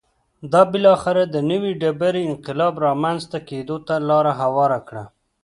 دا بالاخره د نوې ډبرې انقلاب رامنځته کېدو ته لار هواره کړه